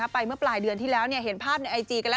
ไปเมื่อปลายเดือนที่แล้วเห็นภาพในไอจีกันแล้ว